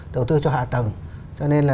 đầu tư cho hạ tầng cho nên là